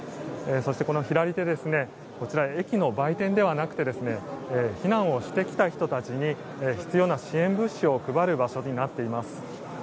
そして、この左手こちら、駅の売店ではなくて避難をしてきた人たちに必要な支援物資を配る場所になっています。